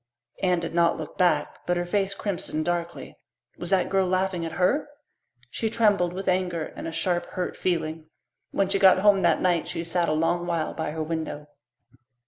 Anne did not look back, but her face crimsoned darkly. Was that girl laughing at her? She trembled with anger and a sharp, hurt feeling. When she got home that night she sat a long while by her window.